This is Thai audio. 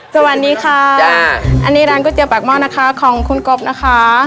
สวัสดีค่ะอันนี้ร้านก๋วยเตี๋ยปากหม้อนะคะของคุณกบนะคะ